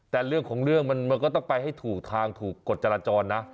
แต่เรื่องมันก็ต้องไปให้ถูกทางถูกกฎจรจรนะ